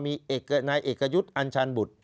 มีนายเอกยุทธ์อัญชาญบุตร